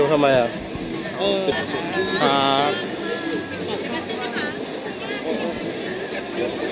ตอนจริงขอแน่กว่านี้ขอแน่กว่านี้นะครับ